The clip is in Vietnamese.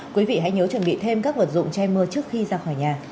quý vị hãy nhớ chuẩn bị thêm các vật dụng che mưa trước khi ra khỏi nhà